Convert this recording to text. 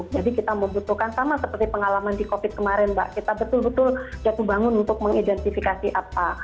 jadi kita membutuhkan sama seperti pengalaman di copik kemarin mbak kita betul betul jatuh bangun untuk mengidentifikasi apa